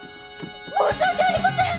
申し訳ありません！